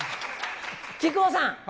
木久扇さん。